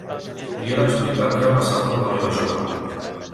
Li he d'explicar què ha passat amb la meva germana.